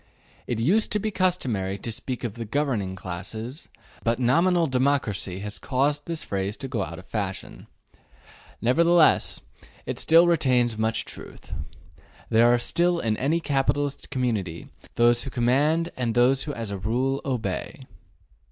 It used to be customary to speak of the ``governing classes,'' but nominal democracy has caused this phrase to go out of fashion. Nevertheless, it still retains much truth; there are still in any capitalist community those who command and those who as a rule obey.